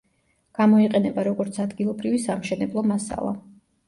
გამოიყენება როგორც ადგილობრივი სამშენებლო მასალა.